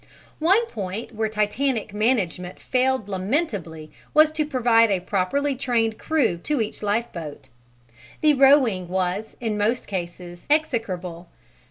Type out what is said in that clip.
One point where the Titanic management failed lamentably was to provide a properly trained crew to each lifeboat. The rowing was in most cases execrable.